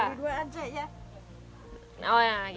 beli dua aja ya